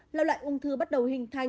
loại ung thư bắt đầu hình thành